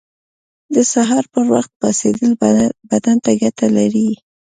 • د سهار پر وخت پاڅېدل بدن ته ګټه لري.